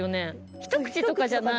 ひと口とかじゃない。